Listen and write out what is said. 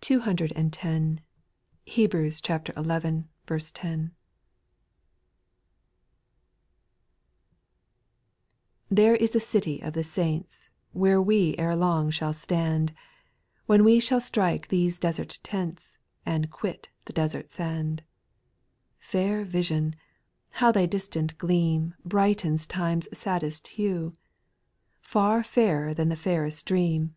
296 SPIRITUAL SONOS. 210. Hebrews xi. 10. 1. ITIHERE is a city of the saints, X Where we ere long shall stand, When we shall strike these desert tents. And quit the desert sand. 2. Fair vision ! how thy distant gleam, Brightens time'^s saddest hue ; Far fairer than the fairest dream.